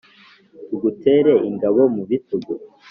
tugutere ingabo mu bitugu.